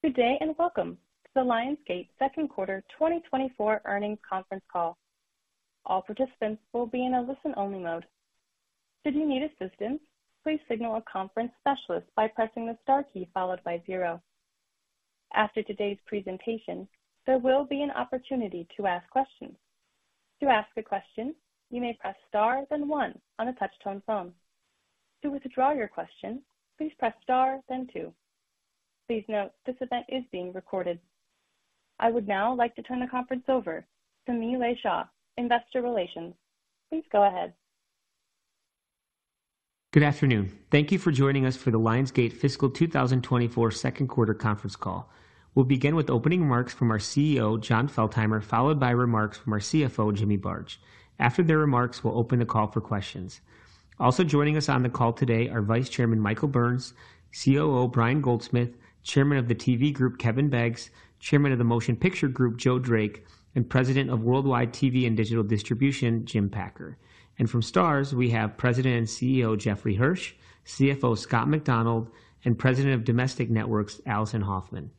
Good day, and welcome to the Lionsgate second quarter 2024 earnings conference call. All participants will be in a listen-only mode. Should you need assistance, please signal a conference specialist by pressing the star key followed by zero. After today's presentation, there will be an opportunity to ask questions. To ask a question, you may press star, then one on a touchtone phone. To withdraw your question, please press star, then two. Please note, this event is being recorded. I would now like to turn the conference over to Nilay Shah, Investor Relations. Please go ahead. Good afternoon. Thank you for joining us for the Lionsgate fiscal 2024 second quarter conference call. We'll begin with opening remarks from our CEO, Jon Feltheimer, followed by remarks from our CFO, Jimmy Barge. After their remarks, we'll open the call for questions. Also joining us on the call today are Vice Chairman Michael Burns, COO Brian Goldsmith, Chairman of the TV Group, Kevin Beggs, Chairman of the Motion Picture Group, Joe Drake, and President of Worldwide TV and Digital Distribution, Jim Packer. And from Starz, we have President and CEO Jeffrey Hirsch, CFO Scott Macdonald, and President of Domestic Networks, Alison Hoffman.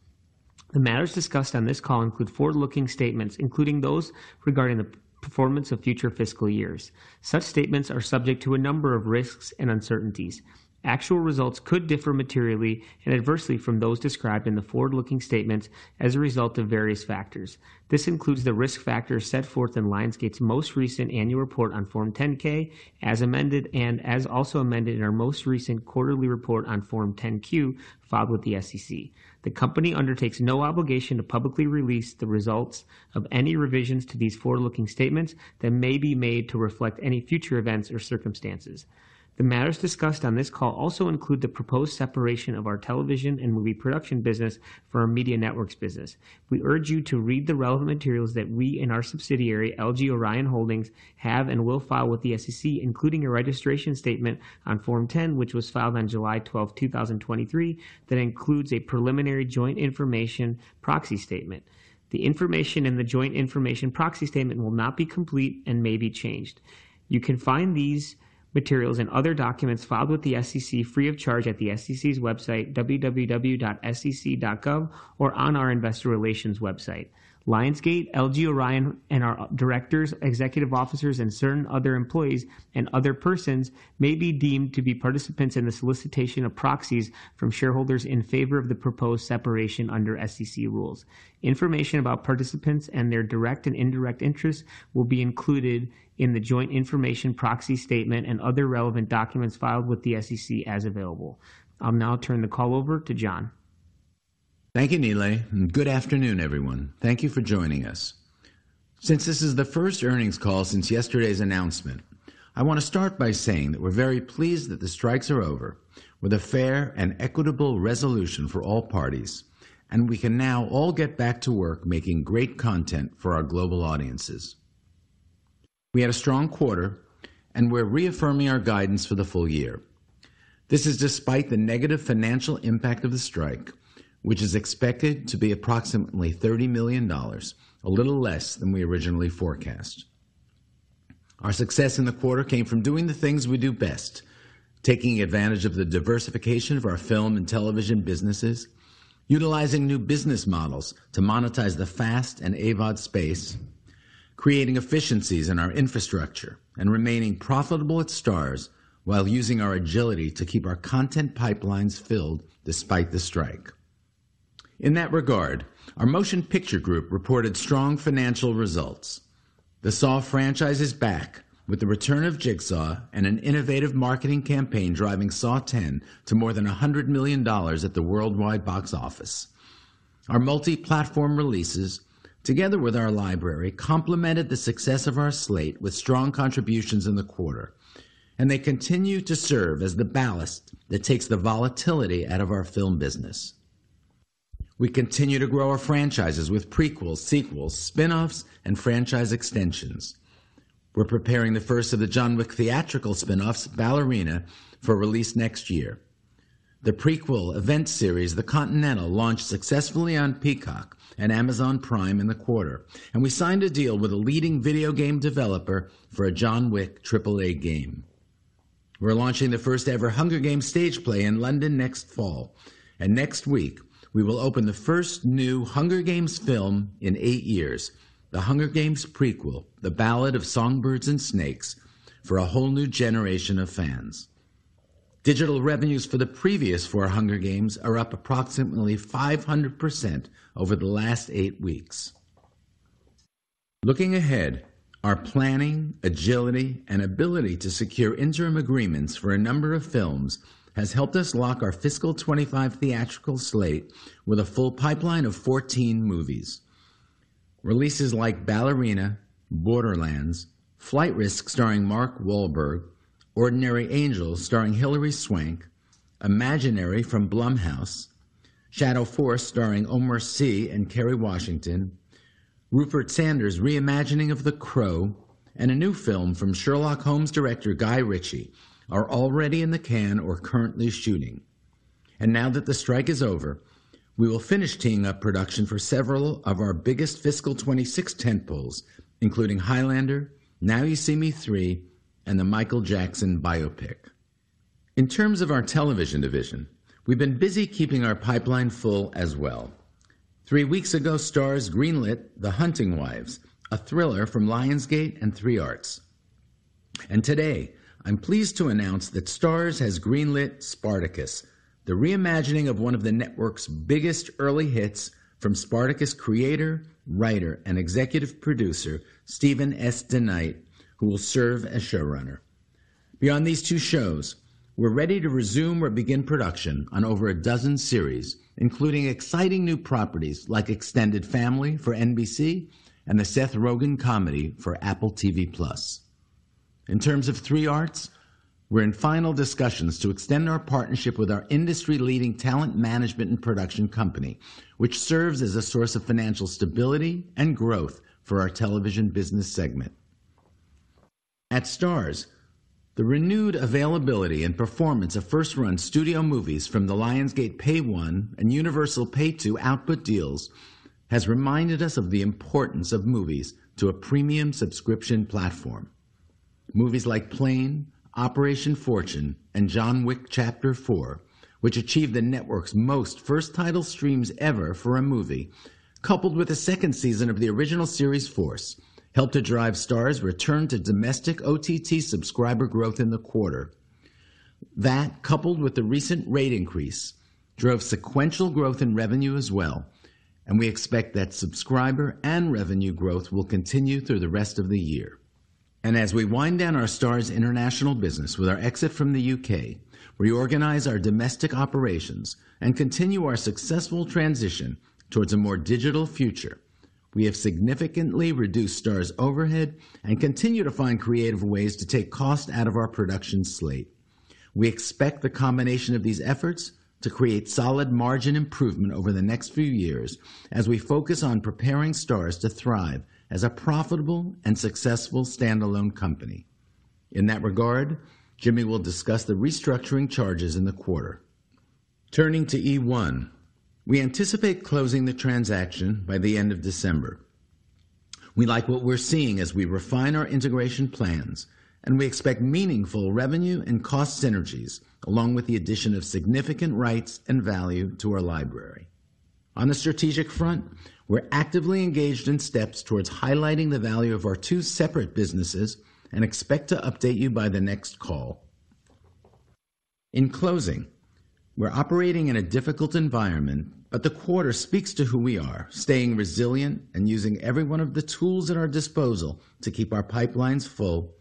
The matters discussed on this call include forward-looking statements, including those regarding the performance of future fiscal years. Such statements are subject to a number of risks and uncertainties. Actual results could differ materially and adversely from those described in the forward-looking statements as a result of various factors. This includes the risk factors set forth in Lionsgate's most recent annual report on Form 10-K, as amended, and as also amended in our most recent quarterly report on Form 10-Q, filed with the SEC. The company undertakes no obligation to publicly release the results of any revisions to these forward-looking statements that may be made to reflect any future events or circumstances. The matters discussed on this call also include the proposed separation of our television and movie production business from our media networks business. We urge you to read the relevant materials that we and our subsidiary, LG Orion Holdings, have and will file with the SEC, including a registration statement on Form 10, which was filed on July 12, 2023, that includes a preliminary joint information proxy statement. The information in the joint information proxy statement will not be complete and may be changed. You can find these materials and other documents filed with the SEC free of charge at the SEC's website, www.sec.gov, or on our investor relations website. Lionsgate, LG Orion, and our directors, executive officers, and certain other employees and other persons may be deemed to be participants in the solicitation of proxies from shareholders in favor of the proposed separation under SEC rules. Information about participants and their direct and indirect interests will be included in the joint information proxy statement and other relevant documents filed with the SEC as available. I'll now turn the call over to Jon. Thank you, Nilay, and good afternoon, everyone. Thank you for joining us. Since this is the first earnings call since yesterday's announcement, I want to start by saying that we're very pleased that the strikes are over with a fair and equitable resolution for all parties, and we can now all get back to work making great content for our global audiences. We had a strong quarter, and we're reaffirming our guidance for the full year. This is despite the negative financial impact of the strike, which is expected to be approximately $30 million, a little less than we originally forecast. Our success in the quarter came from doing the things we do best: taking advantage of the diversification of our film and television businesses, utilizing new business models to monetize the FAST and AVOD space, creating efficiencies in our infrastructure, and remaining profitable at Starz while using our agility to keep our content pipelines filled despite the strike. In that regard, our Motion Picture Group reported strong financial results. The Saw franchise is back with the return of Jigsaw and an innovative marketing campaign, driving Saw X to more than $100 million at the worldwide box office. Our multi-platform releases, together with our library, complemented the success of our slate with strong contributions in the quarter, and they continue to serve as the ballast that takes the volatility out of our film business. We continue to grow our franchises with prequels, sequels, spin-offs, and franchise extensions. We're preparing the first of the John Wick theatrical spin-offs, Ballerina, for release next year. The prequel event series, The Continental, launched successfully on Peacock and Amazon Prime in the quarter, and we signed a deal with a leading video game developer for a John Wick AAA game. We're launching the first-ever Hunger Games stage play in London next fall, and next week we will open the first new Hunger Games film in eight years, The Hunger Games prequel, The Ballad of Songbirds and Snakes, for a whole new generation of fans. Digital revenues for the previous four Hunger Games are up approximately 500% over the last eight weeks. Looking ahead, our planning, agility, and ability to secure interim agreements for a number of films has helped us lock our fiscal 25 theatrical slate with a full pipeline of 14 movies. Releases like Ballerina, Borderlands, Flight Risk, starring Mark Wahlberg, Ordinary Angels, starring Hilary Swank, Imaginary from Blumhouse, Shadow Force, starring Omar Sy and Kerry Washington, Rupert Sanders' reimagining of The Crow, and a new film from Sherlock Holmes director Guy Ritchie are already in the can or currently shooting. And now that the strike is over, we will finish teeing up production for several of our biggest fiscal 2026 tentpoles, including Highlander, Now You See Me 3, and the Michael Jackson biopic. In terms of our television division, we've been busy keeping our pipeline full as well. Three weeks ago, Starz green-lit The Hunting Wives, a thriller from Lionsgate and 3 Arts. And today, I'm pleased to announce that Starz has green-lit Spartacus, the reimagining of one of the network's biggest early hits from Spartacus creator, writer, and executive producer, Steven S. DeKnight, who will serve as showrunner. Beyond these two shows, we're ready to resume or begin production on over a dozen series, including exciting new properties like Extended Family for NBC and the Seth Rogen comedy for Apple TV+. In terms of 3 Arts, we're in final discussions to extend our partnership with our industry-leading talent management and production company, which serves as a source of financial stability and growth for our television business segment. At Starz, the renewed availability and performance of first-run studio movies from the Lionsgate Pay One and Universal Pay Two output deals has reminded us of the importance of movies to a premium subscription platform. Movies like Plane, Operation Fortune, and John Wick: Chapter Four, which achieved the network's most first title streams ever for a movie, coupled with the second season of the original series Force, helped to drive Starz's return to domestic OTT subscriber growth in the quarter. That, coupled with the recent rate increase, drove sequential growth in revenue as well, and we expect that subscriber and revenue growth will continue through the rest of the year. As we wind down our Starz international business with our exit from the U.K., reorganize our domestic operations, and continue our successful transition towards a more digital future, we have significantly reduced Starz's overhead and continue to find creative ways to take cost out of our production slate. We expect the combination of these efforts to create solid margin improvement over the next few years as we focus on preparing Starz to thrive as a profitable and successful standalone company. In that regard, Jimmy will discuss the restructuring charges in the quarter. Turning to eOne, we anticipate closing the transaction by the end of December. We like what we're seeing as we refine our integration plans, and we expect meaningful revenue and cost synergies, along with the addition of significant rights and value to our library. On the strategic front, we're actively engaged in steps towards highlighting the value of our two separate businesses and expect to update you by the next call. In closing, we're operating in a difficult environment, but the quarter speaks to who we are, staying resilient and using every one of the tools at our disposal to keep our pipelines full,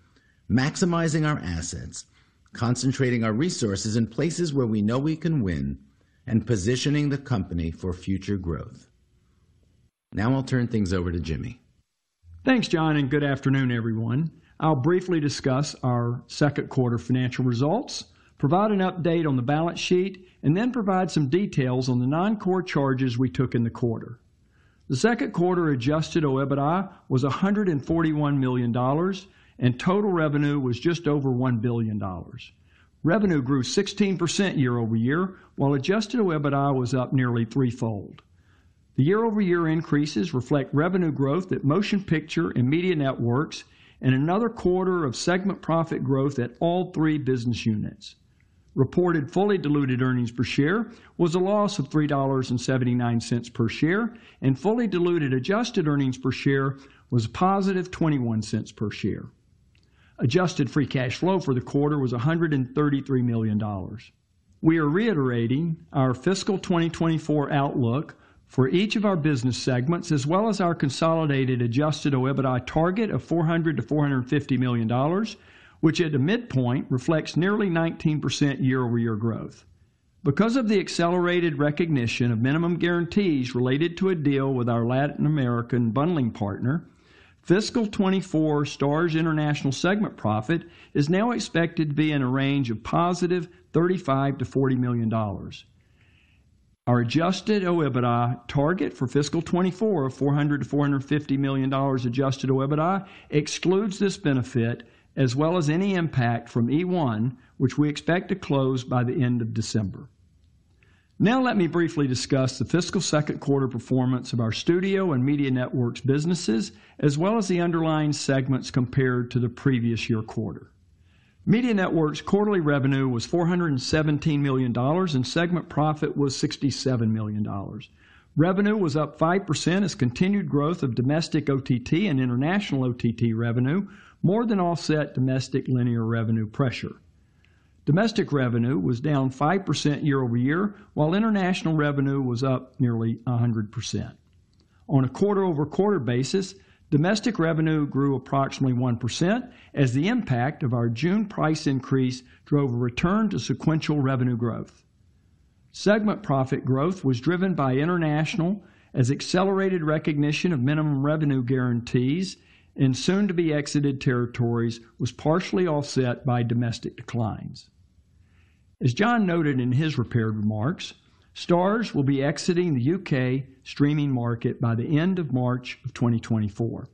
maximizing our assets, concentrating our resources in places where we know we can win, and positioning the company for future growth. Now I'll turn things over to Jimmy. Thanks, Jon, and good afternoon, everyone. I'll briefly discuss our second quarter financial results, provide an update on the balance sheet, and then provide some details on the non-core charges we took in the quarter. The second quarter Adjusted OIBDA was $141 million, and total revenue was just over $1 billion. Revenue grew 16% year-over-year, while Adjusted OIBDA was up nearly threefold. The year-over-year increases reflect revenue growth at Motion Picture and Media Networks and another quarter of segment profit growth at all three business units. Reported fully diluted earnings per share was a loss of $3.79 per share, and fully diluted adjusted earnings per share was a positive $0.21 per share. Adjusted free cash flow for the quarter was $133 million. We are reiterating our fiscal 2024 outlook for each of our business segments, as well as our consolidated Adjusted OIBDA target of $400 million-$450 million, which at the midpoint reflects nearly 19% year-over-year growth. Because of the accelerated recognition of minimum guarantees related to a deal with our Latin American bundling partner, fiscal 2024 Starz International segment profit is now expected to be in a range of +$35 million-$40 million. Our Adjusted OIBDA target for fiscal 2024 of $400 million-$450 million Adjusted OIBDA excludes this benefit, as well as any impact from eOne, which we expect to close by the end of December. Now, let me briefly discuss the fiscal second quarter performance of our Studio and Media Networks businesses, as well as the underlying segments compared to the previous year quarter. Media Networks' quarterly revenue was $417 million, and segment profit was $67 million. Revenue was up 5% as continued growth of domestic OTT and international OTT revenue more than offset domestic linear revenue pressure. Domestic revenue was down 5% year-over-year, while international revenue was up nearly 100%. On a quarter-over-quarter basis, domestic revenue grew approximately 1% as the impact of our June price increase drove a return to sequential revenue growth. Segment profit growth was driven by international as accelerated recognition of minimum revenue guarantees in soon-to-be-exited territories was partially offset by domestic declines. As Jon noted in his prepared remarks, Starz will be exiting the U.K. streaming market by the end of March of 2024.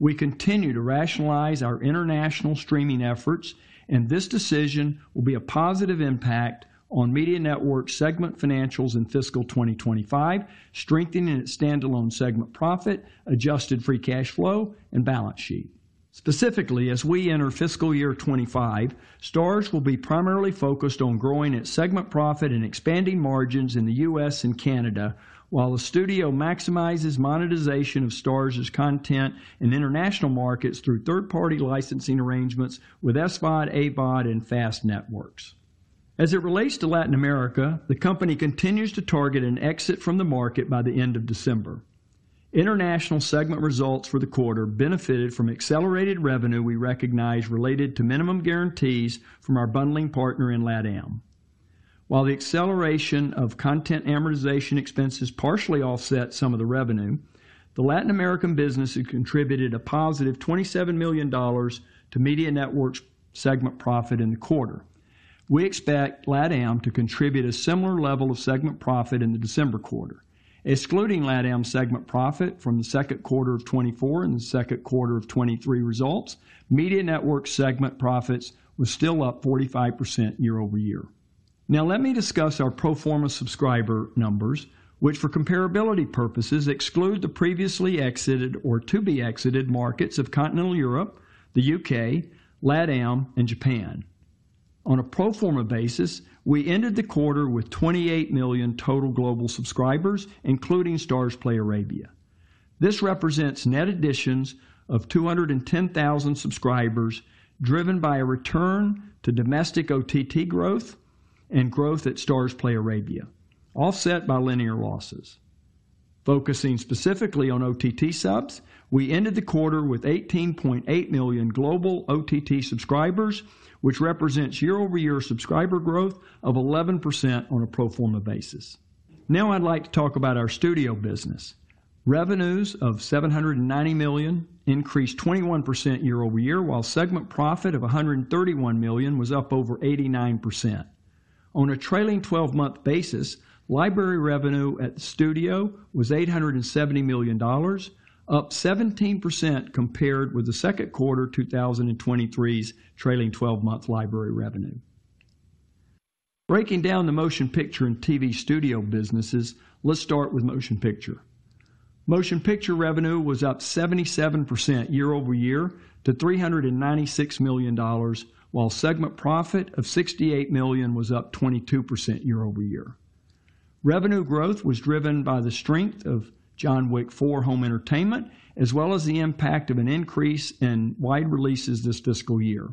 We continue to rationalize our international streaming efforts, and this decision will be a positive impact on Media Network segment financials in fiscal 2025, strengthening its standalone segment profit, Adjusted Free Cash Flow, and balance sheet. Specifically, as we enter fiscal year 2025, Starz will be primarily focused on growing its segment profit and expanding margins in the U.S. and Canada, while the studio maximizes monetization of Starz's content in international markets through third-party licensing arrangements with SVOD, AVOD, and FAST networks. As it relates to Latin America, the company continues to target an exit from the market by the end of December. International segment results for the quarter benefited from accelerated revenue we recognized related to minimum guarantees from our bundling partner in LATAM. While the acceleration of content amortization expenses partially offset some of the revenue, the Latin American business had contributed a +$27 million to Media Networks' segment profit in the quarter. We expect LATAM to contribute a similar level of segment profit in the December quarter. Excluding LATAM segment profit from the second quarter of 2024 and the second quarter of 2023 results, Media Networks' segment profits were still up 45% year-over-year. Now let me discuss our pro forma subscriber numbers, which, for comparability purposes, exclude the previously exited or to-be-exited markets of Continental Europe, the U.K., LATAM, and Japan. On a pro forma basis, we ended the quarter with 28 million total global subscribers, including Starzplay Arabia. This represents net additions of 210,000 subscribers, driven by a return to domestic OTT growth and growth at Starzplay Arabia, offset by linear losses. Focusing specifically on OTT subs, we ended the quarter with 18.8 million global OTT subscribers, which represents year-over-year subscriber growth of 11% on a pro forma basis. Now I'd like to talk about our studio business. Revenues of $790 million increased 21% year-over-year, while segment profit of $131 million was up over 89%. On a trailing 12-month basis, library revenue at the studio was $870 million, up 17% compared with the second quarter 2023's trailing 12-month library revenue. Breaking down the motion picture and TV studio businesses, let's start with motion picture. Motion picture revenue was up 77% year-over-year to $396 million, while segment profit of $68 million was up 22% year-over-year. Revenue growth was driven by the strength of John Wick 4 home entertainment, as well as the impact of an increase in wide releases this fiscal year.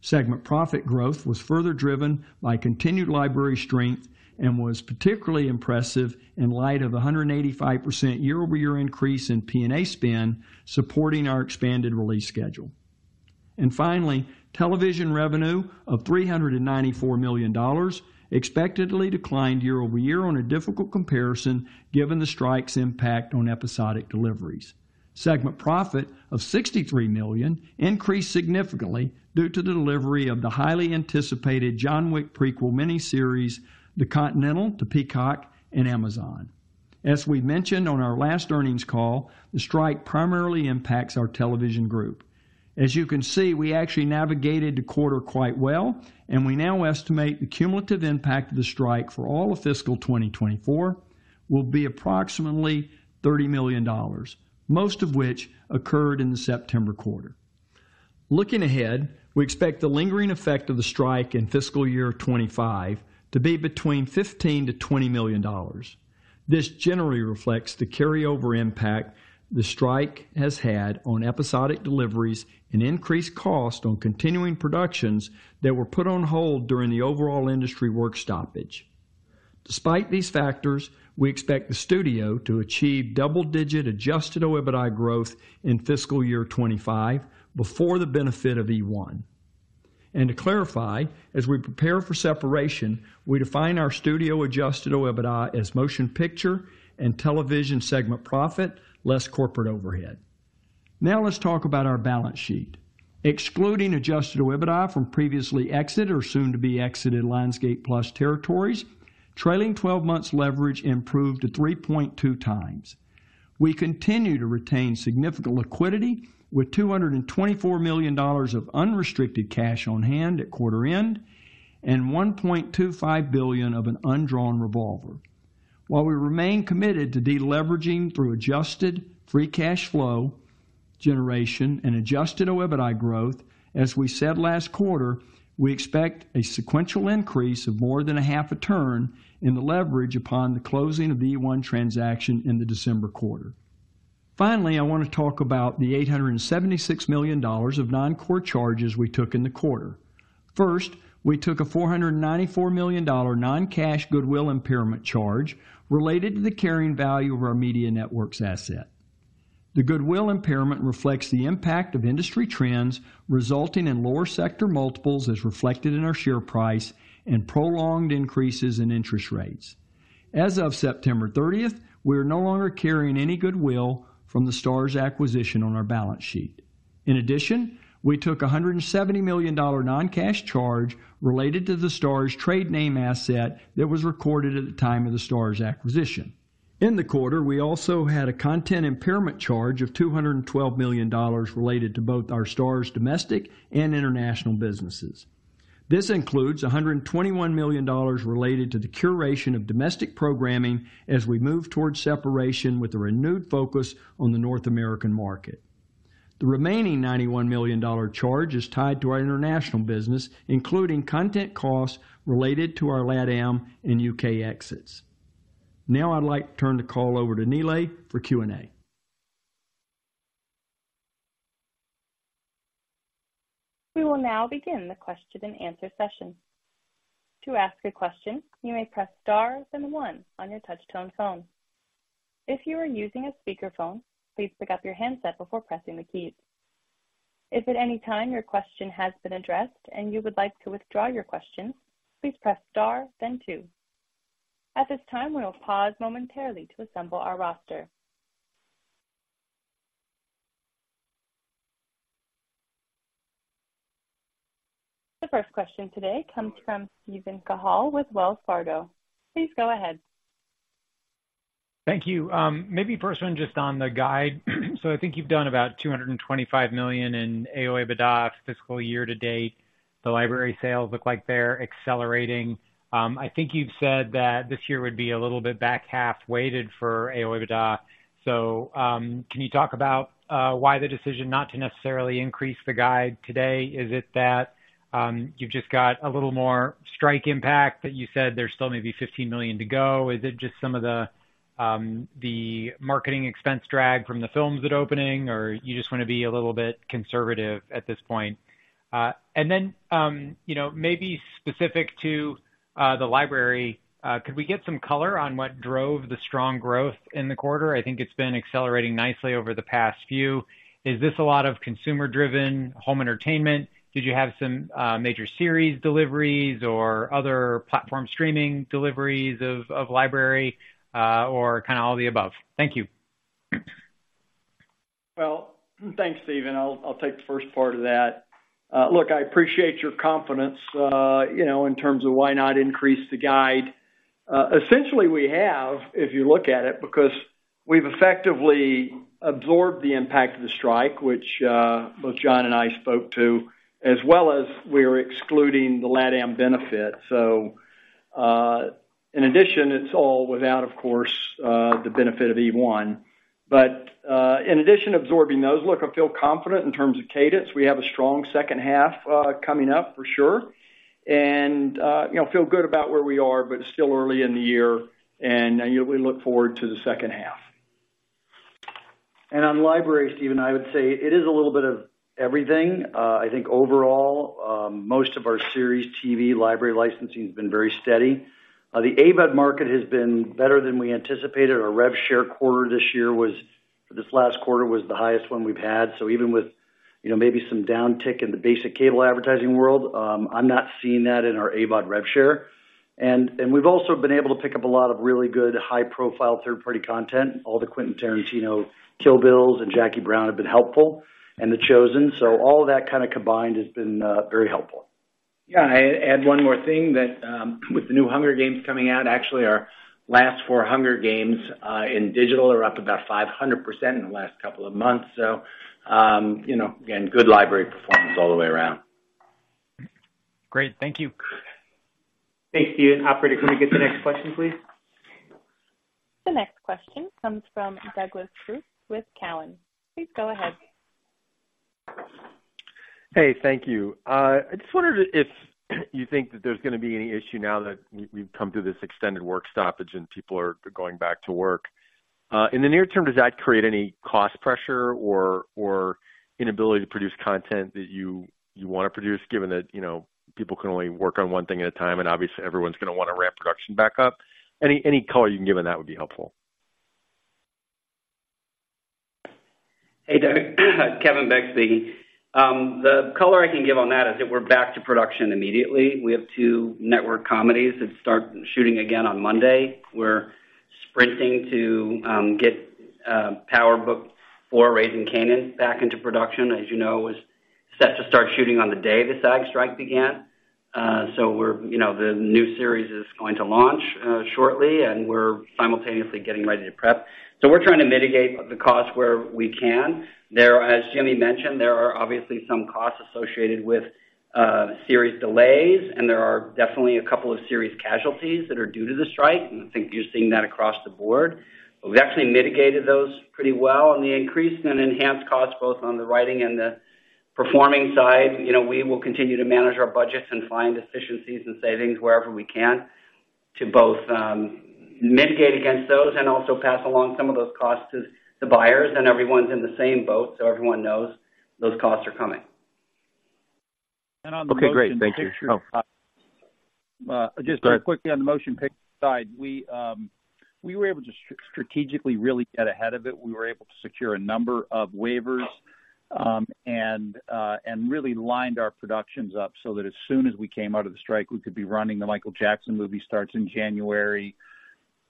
Segment profit growth was further driven by continued library strength and was particularly impressive in light of a 185% year-over-year increase in P&A spend, supporting our expanded release schedule. And finally, television revenue of $394 million expectedly declined year-over-year on a difficult comparison, given the strike's impact on episodic deliveries. Segment profit of $63 million increased significantly due to the delivery of the highly anticipated John Wick prequel miniseries, The Continental, to Peacock and Amazon. As we mentioned on our last earnings call, the strike primarily impacts our television group. As you can see, we actually navigated the quarter quite well, and we now estimate the cumulative impact of the strike for all of fiscal 2024 will be approximately $30 million, most of which occurred in the September quarter. Looking ahead, we expect the lingering effect of the strike in fiscal year 2025 to be between $15 million-$20 million. This generally reflects the carryover impact the strike has had on episodic deliveries and increased cost on continuing productions that were put on hold during the overall industry work stoppage. Despite these factors, we expect the studio to achieve double-digit Adjusted OIBDA growth in fiscal year 2025 before the benefit of eOne. And to clarify, as we prepare for separation, we define our studio Adjusted OIBDA as motion picture and television segment profit, less corporate overhead. Now let's talk about our balance sheet. Excluding Adjusted OIBDA from previously exited or soon-to-be-exited Lionsgate Plus territories, trailing twelve months leverage improved to 3.2 times. We continue to retain significant liquidity, with $224 million of unrestricted cash on hand at quarter end and $1.25 billion of an undrawn revolver. While we remain committed to deleveraging through Adjusted Free Cash Flow generation and Adjusted OIBDA growth, as we said last quarter, we expect a sequential increase of more than a half a turn in the leverage upon the closing of the eOne transaction in the December quarter. Finally, I want to talk about the $876 million of non-core charges we took in the quarter. First, we took a $494 million non-cash goodwill impairment charge related to the carrying value of our Media Networks asset. The goodwill impairment reflects the impact of industry trends, resulting in lower sector multiples as reflected in our share price and prolonged increases in interest rates. As of September thirtieth, we are no longer carrying any goodwill from the Starz acquisition on our balance sheet. In addition, we took a $170 million non-cash charge related to the Starz trade name asset that was recorded at the time of the Starz acquisition. In the quarter, we also had a content impairment charge of $212 million related to both our Starz domestic and international businesses. This includes a $121 million related to the curation of domestic programming as we move towards separation with a renewed focus on the North American market. The remaining $91 million charge is tied to our international business, including content costs related to our LATAM and U.K. exits. Now I'd like to turn the call over to Nilay for Q&A. We will now begin the question-and-answer session. To ask a question, you may press star then one on your touchtone phone. If you are using a speakerphone, please pick up your handset before pressing the keys. If at any time your question has been addressed and you would like to withdraw your question, please press star, then two. At this time, we will pause momentarily to assemble our roster. The first question today comes from Steven Cahall with Wells Fargo. Please go ahead. Thank you. Maybe first one, just on the guide. So I think you've done about $225 million in Adjusted OIBDA fiscal year to date. The library sales look like they're accelerating. I think you've said that this year would be a little bit back half weighted for Adjusted OIBDA. So, can you talk about why the decision not to necessarily increase the guide today? Is it that you've just got a little more strike impact that you said there's still maybe $15 million to go? Is it just some of the marketing expense drag from the films that are opening, or you just want to be a little bit conservative at this point? And then, you know, maybe specific to the library, could we get some color on what drove the strong growth in the quarter? I think it's been accelerating nicely over the past few. Is this a lot of consumer-driven home entertainment? Did you have some major series deliveries or other platform streaming deliveries of library or kind of all the above? Thank you. Well, thanks, Steven. I'll take the first part of that. Look, I appreciate your confidence, you know, in terms of why not increase the guide. Essentially, we have, if you look at it, because we've effectively absorbed the impact of the strike, which both John and I spoke to, as well as we are excluding the LATAM benefit. So, in addition, it's all without, of course, the benefit of eOne. But, in addition to absorbing those, look, I feel confident in terms of cadence. We have a strong second half coming up for sure, and you know, feel good about where we are, but it's still early in the year, and we look forward to the second half. And on library, Steven, I would say it is a little bit of everything. I think overall, most of our series TV library licensing has been very steady. The AVOD market has been better than we anticipated. Our rev share quarter this year was—this last quarter, was the highest one we've had. So even with, you know, maybe some downtick in the basic cable advertising world, I'm not seeing that in our AVOD rev share. And we've also been able to pick up a lot of really good, high-profile third-party content. All the Quentin Tarantino Kill Bills and Jackie Brown have been helpful, and The Chosen. So all of that kinda combined has been very helpful. Yeah, I add one more thing, that with the new Hunger Games coming out, actually, our last four Hunger Games in digital are up about 500% in the last couple of months. So, you know, again, good library performance all the way around. Great. Thank you. Thanks, Steven. Operator, can we get the next question, please? The next question comes from Douglas Creutz with Cowen. Please go ahead. Hey, thank you. I just wondered if you think that there's going to be any issue now that we've come through this extended work stoppage and people are going back to work. In the near term, does that create any cost pressure or inability to produce content that you want to produce, given that, you know, people can only work on one thing at a time, and obviously, everyone's going to want to ramp production back up? Any color you can give on that would be helpful. Hey, Doug, Kevin Beggs speaking. The color I can give on that is that we're back to production immediately. We have two network comedies that start shooting again on Monday. We're sprinting to get Power Book IV: Raising Kanan back into production. As you know, it was set to start shooting on the day the SAG strike began. So we're-- you know, the new series is going to launch shortly, and we're simultaneously getting ready to prep. So we're trying to mitigate the costs where we can. There are-- As Jimmy mentioned, there are obviously some costs associated with series delays, and there are definitely a couple of series casualties that are due to the strike. And I think you're seeing that across the board. But we've actually mitigated those pretty well on the increase and enhanced costs, both on the writing and the performing side. You know, we will continue to manage our budgets and find efficiencies and savings wherever we can to both, mitigate against those and also pass along some of those costs to the buyers. And everyone's in the same boat, so everyone knows those costs are coming. Okay, great. Thank you. Just very quickly on the motion picture side, we were able to strategically really get ahead of it. We were able to secure a number of waivers, and really lined our productions up so that as soon as we came out of the strike, we could be running. The Michael Jackson movie starts in January.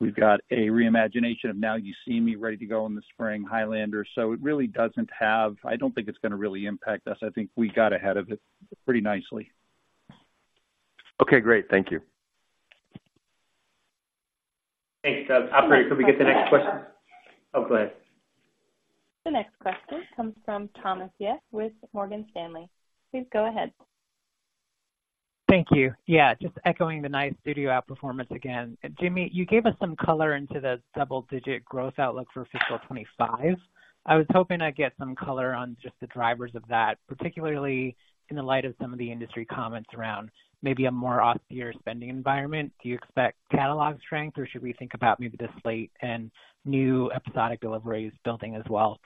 We've got a reimagination of Now You See Me, ready to go in the spring, Highlander. So it really doesn't have. I don't think it's gonna really impact us. I think we got ahead of it pretty nicely. Okay, great. Thank you. Thanks, Doug. Operator, could we get the next question? Oh, go ahead. The next question comes from Thomas Yeh with Morgan Stanley. Please go ahead. Thank you. Yeah, just echoing the nice studio outperformance again. Jimmy, you gave us some color into the double-digit growth outlook for fiscal 2025. I was hoping I'd get some color on just the drivers of that, particularly in the light of some of the industry comments around maybe a more austere spending environment. Do you expect catalog strength, or should we think about maybe the slate and new episodic deliveries building as well?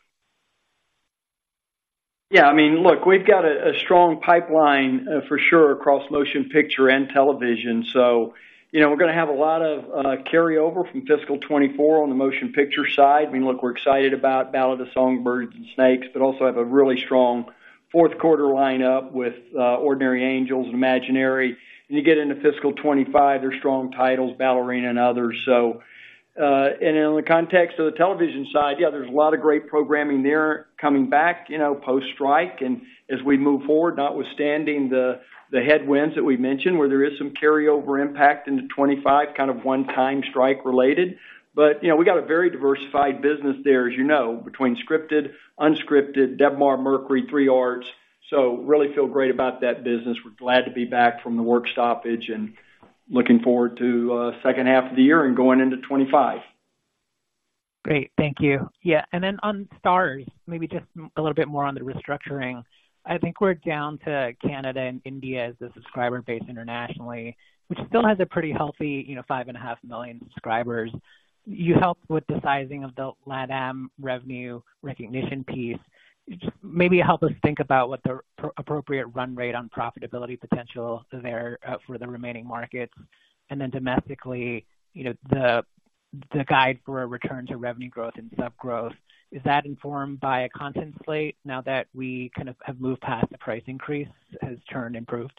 Yeah, I mean, look, we've got a strong pipeline for sure across motion picture and television. So, you know, we're gonna have a lot of carryover from fiscal 2024 on the motion picture side. I mean, look, we're excited about Ballad of Songbirds and Snakes, but also have a really strong fourth quarter lineup with Ordinary Angels, Imaginary. And you get into fiscal 2025, there's strong titles, Ballerina and others. So, and in the context of the television side, yeah, there's a lot of great programming there coming back, you know, post-strike. And as we move forward, notwithstanding the headwinds that we mentioned, where there is some carryover impact into 2025, kind of one-time strike related. But, you know, we got a very diversified business there, as you know, between scripted, unscripted, Debmar-Mercury, 3 Arts. So really feel great about that business. We're glad to be back from the work stoppage and looking forward to second half of the year and going into 2025. Great. Thank you. Yeah, and then on Starz, maybe just a little bit more on the restructuring. I think we're down to Canada and India as the subscriber base internationally, which still has a pretty healthy, you know, 5.5 million subscribers. You helped with the sizing of the LATAM revenue recognition piece. Maybe help us think about what the appropriate run rate on profitability potential there for the remaining markets. And then domestically, you know, the guide for a return to revenue growth and sub growth, is that informed by a content slate now that we kind of have moved past the price increase has turned improved?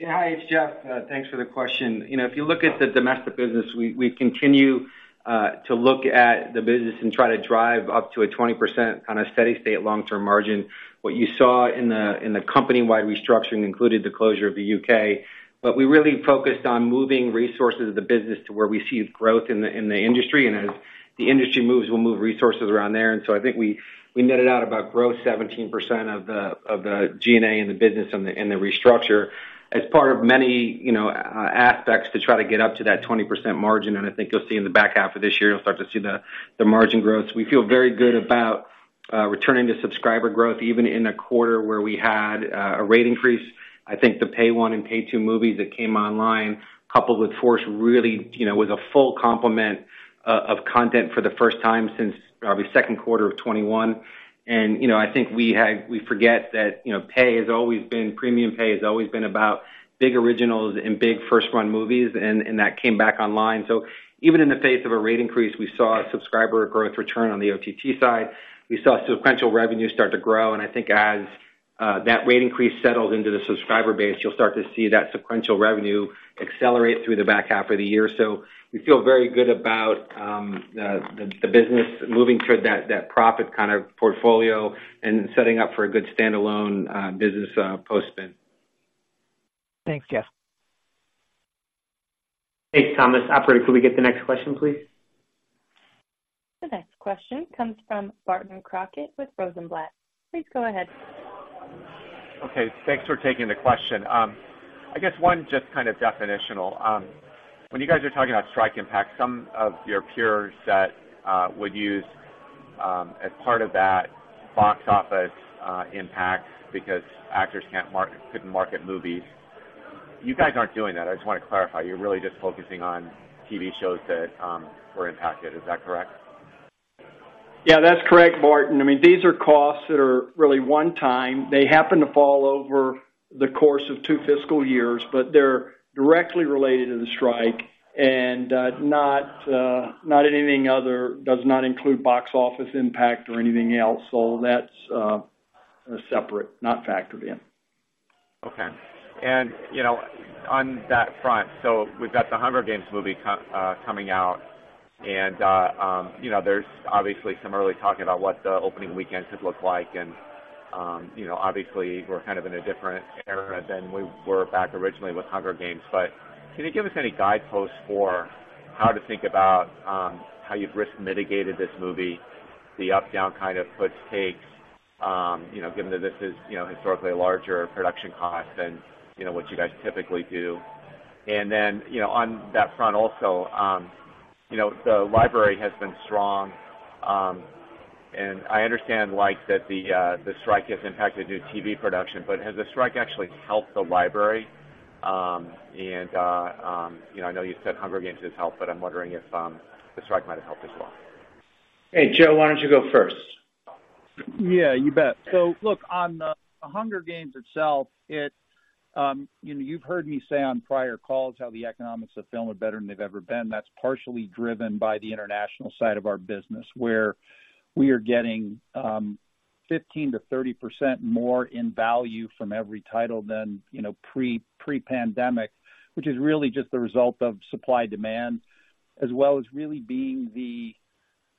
Yeah. Hi, it's Jeff. Thanks for the question. You know, if you look at the domestic business, we continue to look at the business and try to drive up to a 20% kind of steady state long-term margin. What you saw in the company-wide restructuring included the closure of the UK. But we really focused on moving resources of the business to where we see growth in the industry. And as the industry moves, we'll move resources around there. And so I think we netted out about growth 17% of the G&A in the business and the restructure as part of many, you know, aspects to try to get up to that 20% margin. And I think you'll see in the back half of this year, you'll start to see the margin growth. We feel very good about returning to subscriber growth, even in a quarter where we had a rate increase. I think the Pay One and Pay Two movies that came online, coupled with Force, really, you know, with a full complement of content for the first time since the second quarter of 2021. And, you know, I think we had - we forget that, you know, pay has always been - premium pay has always been about big originals and big first-run movies, and that came back online. So even in the face of a rate increase, we saw a subscriber growth return on the OTT side. We saw sequential revenue start to grow, and I think as that rate increase settles into the subscriber base, you'll start to see that sequential revenue accelerate through the back half of the year. So we feel very good about the business moving toward that profit kind of portfolio and setting up for a good standalone business post spin. Thanks, Jeff. Thanks, Thomas. Operator, could we get the next question, please? The next question comes from Barton Crockett with Rosenblatt. Please go ahead. Okay, thanks for taking the question. I guess one just kind of definitional. When you guys are talking about strike impact, some of your peers that would use as part of that box office impact because actors can't market-- couldn't market movies. You guys aren't doing that. I just want to clarify. You're really just focusing on TV shows that were impacted. Is that correct? Yeah, that's correct, Barton. I mean, these are costs that are really one time. They happen to fall over the course of two fiscal years, but they're directly related to the strike and not anything other, does not include box office impact or anything else. So that's separate, not factored in. Okay. And, you know, on that front, so we've got the Hunger Games movie coming out, and, you know, there's obviously some early talking about what the opening weekend could look like. And, you know, obviously, we're kind of in a different era than we were back originally with Hunger Games. But can you give us any guideposts for how to think about, how you've risk mitigated this movie, the up, down kind of puts, takes, you know, given that this is, you know, historically a larger production cost than, you know, what you guys typically do? And then, you know, on that front also, you know, the library has been strong, and I understand, like, that the strike has impacted new TV production, but has the strike actually helped the library? You know, I know you said Hunger Games has helped, but I'm wondering if the strike might have helped as well. Hey, Joe, why don't you go first? Yeah, you bet. So look, on Hunger Games itself, it, you know, you've heard me say on prior calls how the economics of film are better than they've ever been. That's partially driven by the international side of our business, where we are getting fifteen to thirty percent more in value from every title than, you know, pre, pre-pandemic, which is really just the result of supply-demand, as well as really being the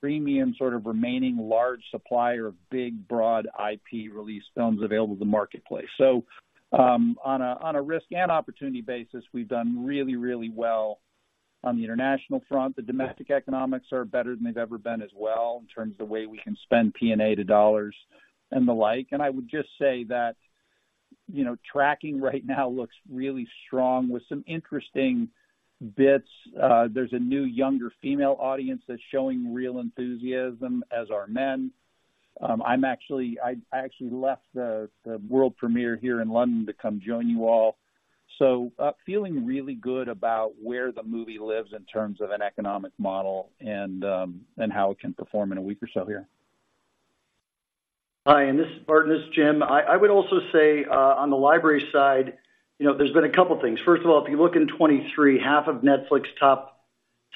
premium sort of remaining large supplier of big, broad IP release films available in the marketplace. So, on a, on a risk and opportunity basis, we've done really, really well on the international front. The domestic economics are better than they've ever been as well, in terms of the way we can spend P&A to dollars and the like. I would just say that, you know, tracking right now looks really strong with some interesting bits. There's a new younger female audience that's showing real enthusiasm, as are men. I actually left the world premiere here in London to come join you all. So, feeling really good about where the movie lives in terms of an economic model and how it can perform in a week or so here. Hi, and this is Barton, this is Jim. I would also say on the library side, you know, there's been a couple things. First of all, if you look in 2023, half of Netflix's top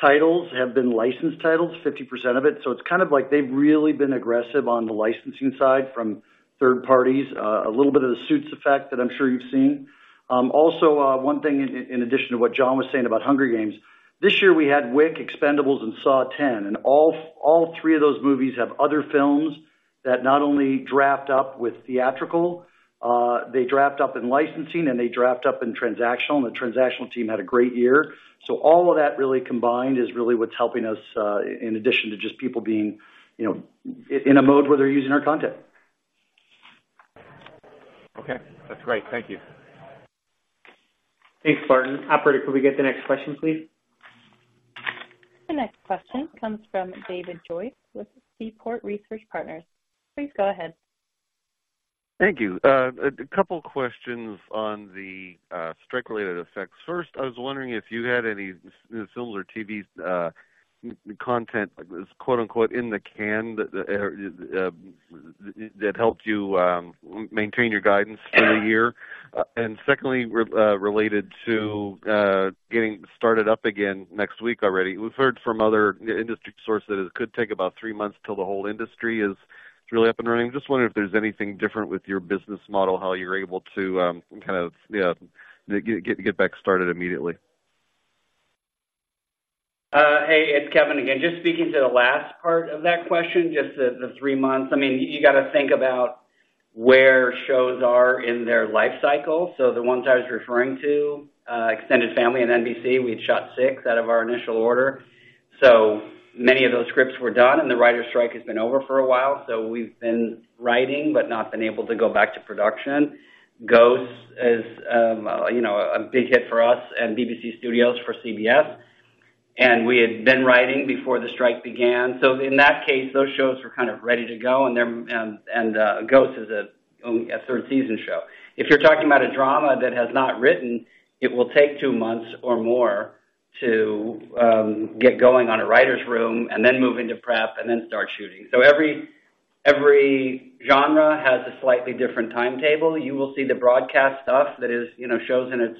titles have been licensed titles, 50% of it. So it's kind of like they've really been aggressive on the licensing side from third parties. A little bit of the Suits effect that I'm sure you've seen. Also, one thing in addition to what John was saying about Hunger Games, this year, we had Wick, Expendables, and Saw X, and all three of those movies have other films that not only draft up with theatrical, they draft up in licensing and they draft up in transactional, and the transactional team had a great year. All of that really combined is really what's helping us, in addition to just people being, you know, in a mode where they're using our content. Okay, that's great. Thank you. Thanks, Barton. Operator, could we get the next question, please? The next question comes from David Joyce with Seaport Research Partners. Please go ahead. Thank you. A couple questions on the strike-related effects. First, I was wondering if you had any film or TV content that was, quote-unquote, "In the can," that helped you maintain your guidance for the year? And secondly, related to getting started up again next week already. We've heard from other industry sources that it could take about three months till the whole industry is really up and running. Just wondering if there's anything different with your business model, how you're able to kind of get back started immediately. Hey, it's Kevin again. Just speaking to the last part of that question, just the three months. I mean, you gotta think about where shows are in their life cycle. So the ones I was referring to, Extended Family in NBC, we'd shot six out of our initial order. So many of those scripts were done, and the writers' strike has been over for a while, so we've been writing but not been able to go back to production. Ghosts is, you know, a big hit for us and BBC Studios for CBS, and we had been writing before the strike began. So in that case, those shows were kind of ready to go, and they're, and Ghosts is a third season show. If you're talking about a drama that has not written, it will take two months or more to get going on a writer's room and then move into prep and then start shooting. So every, every genre has a slightly different timetable. You will see the broadcast stuff that is, you know, shows in its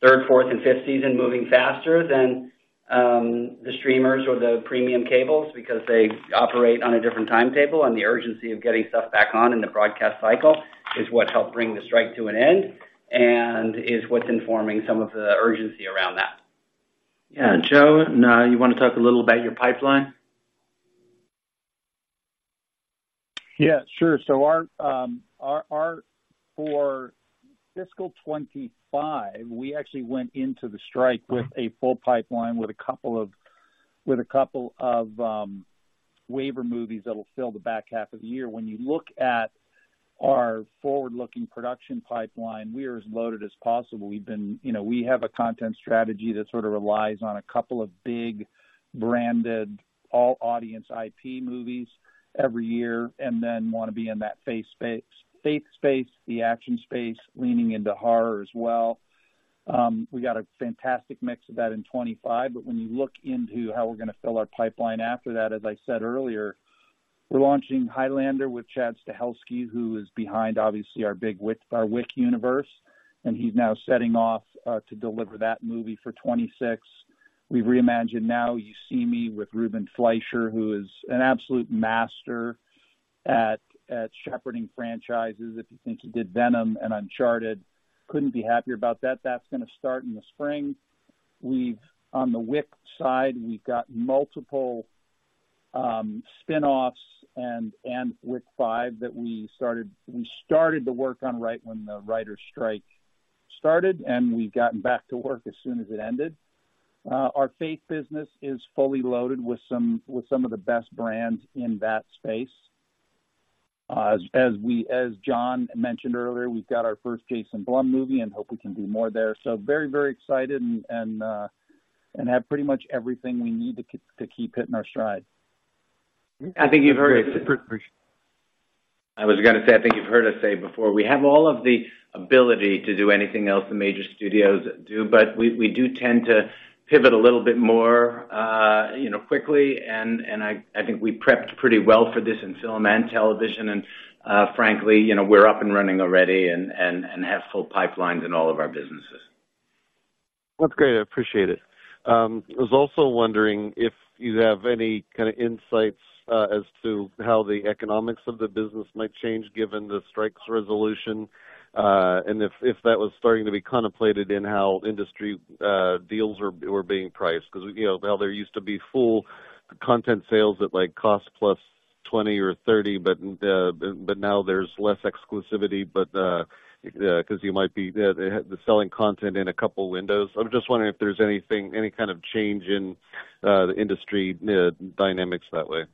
third, fourth, and fifth season moving faster than the streamers or the premium cables because they operate on a different timetable, and the urgency of getting stuff back on in the broadcast cycle is what helped bring the strike to an end, and is what's informing some of the urgency around that. Yeah, Joe, now you wanna talk a little about your pipeline? Yeah, sure. So our for fiscal 2025, we actually went into the strike with a full pipeline, with a couple of waiver movies that'll fill the back half of the year. When you look at our forward-looking production pipeline, we are as loaded as possible. We've been, you know, we have a content strategy that sort of relies on a couple of big, branded, all-audience IP movies every year, and then wanna be in that faith space, the action space, leaning into horror as well. We got a fantastic mix of that in 2025. But when you look into how we're gonna fill our pipeline after that, as I said earlier, we're launching Highlander with Chad Stahelski, who is behind, obviously, our big Wick, our Wick universe, and he's now setting off to deliver that movie for 2026. We've reimagined Now You See Me with Ruben Fleischer, who is an absolute master at shepherding franchises. If you think he did Venom and Uncharted, couldn't be happier about that. That's gonna start in the spring. We've on the Wick side, we've got multiple spinoffs and Wick 5 that we started to work on right when the writers' strike started, and we've gotten back to work as soon as it ended. Our faith business is fully loaded with some of the best brands in that space. As Jon mentioned earlier, we've got our first Jason Blum movie and hope we can do more there. So very, very excited and have pretty much everything we need to keep hitting our stride. I think you've heard it. I was gonna say, I think you've heard us say before, we have all of the ability to do anything else the major studios do, but we do tend to pivot a little bit more, you know, quickly, and I think we prepped pretty well for this in film and television. And, frankly, you know, we're up and running already and have full pipelines in all of our businesses. Well, great, I appreciate it. I was also wondering if you have any kind of insights as to how the economics of the business might change given the strikes resolution, and if that was starting to be contemplated in how industry deals are, were being priced. Because, you know, how there used to be full content sales at, like, cost +20 or 30, but now there's less exclusivity. But 'cause you might be selling content in a couple windows. I'm just wondering if there's anything, any kind of change in the industry dynamics that way.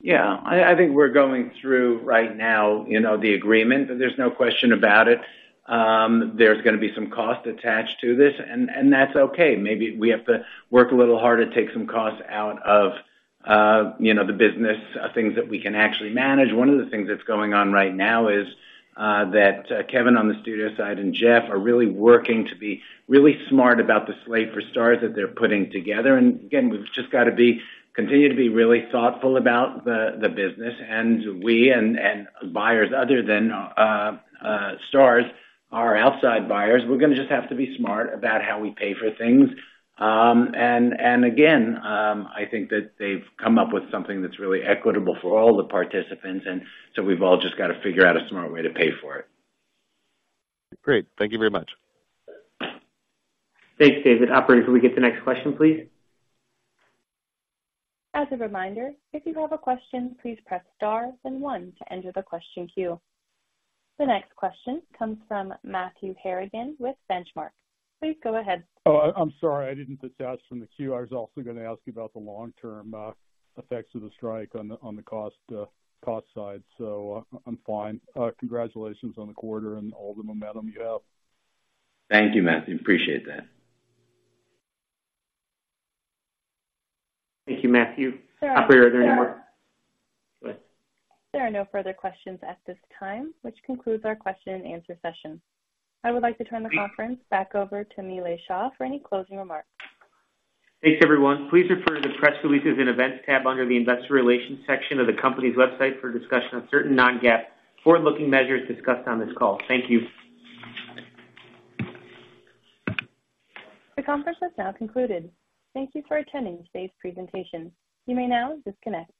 Yeah, I think we're going through right now, you know, the agreement. There's no question about it. There's gonna be some cost attached to this, and that's okay. Maybe we have to work a little harder to take some costs out of, you know, the business, things that we can actually manage. One of the things that's going on right now is that Kevin, on the studio side, and Jeff are really working to be really smart about the slate for Starz that they're putting together. And again, we've just got to continue to be really thoughtful about the business. And we and buyers other than Starz, our outside buyers, we're gonna just have to be smart about how we pay for things. And again, I think that they've come up with something that's really equitable for all the participants, and so we've all just got to figure out a smart way to pay for it. Great. Thank you very much. Thanks, David. Operator, can we get the next question, please? As a reminder, if you do have a question, please press star then one to enter the question queue. The next question comes from Matthew Harrigan with Benchmark. Please go ahead. Oh, I'm sorry I didn't detach from the queue. I was also gonna ask you about the long-term effects of the strike on the cost side. So I'm fine. Congratulations on the quarter and all the momentum you have. Thank you, Matthew. Appreciate that. Thank you, Matthew. Sure. Operator, are there any more? Go ahead. There are no further questions at this time, which concludes our question and answer session. I would like to turn the conference back over to Nilay Shah for any closing remarks. Thanks, everyone. Please refer to the press releases and events tab under the investor relations section of the company's website for a discussion on certain non-GAAP forward-looking measures discussed on this call. Thank you. The conference has now concluded. Thank you for attending today's presentation. You may now disconnect.